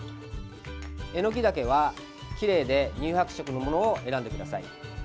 えのきだけは、きれいで乳白色のものを選んでください。